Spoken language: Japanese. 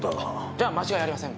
じゃあ間違いありません。